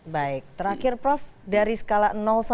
baik terakhir prof dari skala satu